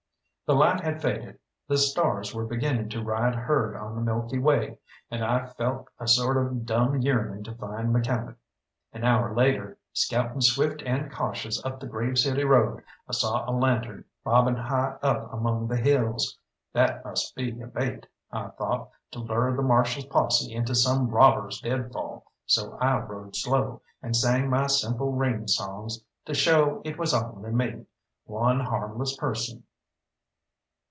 The light had faded, the stars were beginning to ride herd on the Milky Way, and I felt a sort of dumb yearning to find McCalmont. An hour later, scouting swift and cautious up the Grave City road, I saw a lantern bobbing high up among the hills. That must be a bait, I thought, to lure the Marshal's posse into some robbers' deadfall, so I rode slow, and sang my simple range songs to show it was only me, one harmless person.